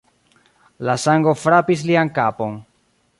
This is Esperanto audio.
La sango frapis lian kapon.